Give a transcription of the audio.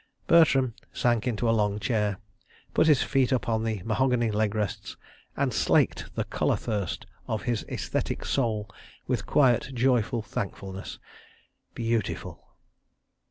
... Bertram sank into a long chair, put his feet up on the mahogany leg rests, and slaked the colour thirst of his æsthetic soul with quiet, joyous thankfulness. ... Beautiful!